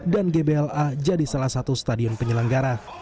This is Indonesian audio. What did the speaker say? dan gbla jadi salah satu stadion penyelenggara